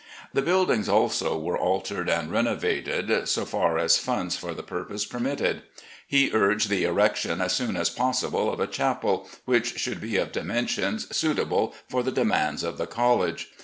The buildings also were altered and renovated, so far as funds for the p\upose permitted. He urged the erec tion as soon as possible of a chapel, which should be of dimensions suitable for the demands of the college.